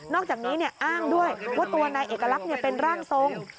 อกจากนี้อ้างด้วยว่าตัวนายเอกลักษณ์เป็นร่างทรง